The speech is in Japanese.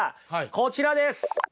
こちらです！